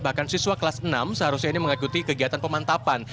bahkan siswa kelas enam seharusnya ini mengikuti kegiatan pemantapan